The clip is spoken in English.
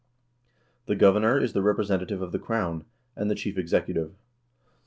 The governor is the representative of the crown, and the chief executive.